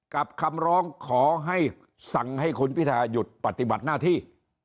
คำร้องขอให้สั่งให้คุณพิทาหยุดปฏิบัติหน้าที่